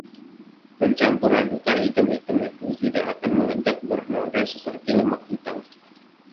Mencampuradukkan item-item itu, tidak akan meledak — bernoda seperti lemak hitam!